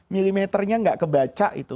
milimeternya gak kebaca itu